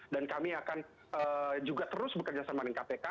dan kami akan juga terus bekerja sama dengan kpk